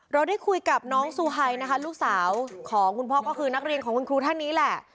เราได้คุยกับน้องซูไฮนะคะลูกสาวของคุณพ่อก็คือนักเรียนของคุณครูท่านนี้แหละ